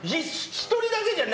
１人だけじゃん！